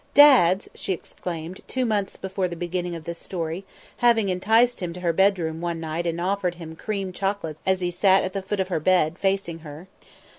"Dads," she exclaimed, two months before the beginning of this story, having enticed him to her bedroom one night and offered him cream chocolates as he eat at the foot of her bed, facing her.